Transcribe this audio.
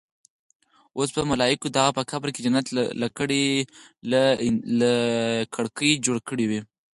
اوس به ملايکو د هغه په قبر کې جنت له کړکۍ جوړ کړې وي.